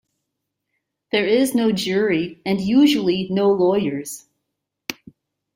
There is no jury and usually no lawyers.